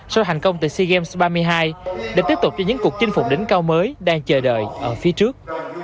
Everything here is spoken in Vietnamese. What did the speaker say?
sau thành công từ sea games ba mươi hai để tiếp tục cho những cuộc chinh phục đỉnh cao mới đang chờ đợi ở phía trước